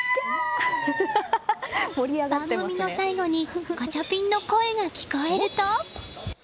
番組の最後にガチャピンの声が聞こえると。